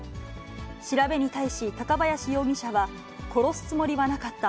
調べに対し、高林容疑者は殺すつもりはなかった。